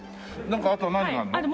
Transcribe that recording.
なんかあとは何があるの？